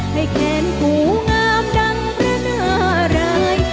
ให้แคนกูงามดังพระนาราย